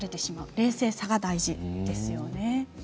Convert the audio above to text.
冷静さが大事ですよね。